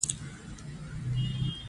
په افغانستان کې د ننګرهار تاریخ اوږد دی.